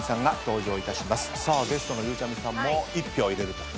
ゲストのゆうちゃみさんも１票入れると。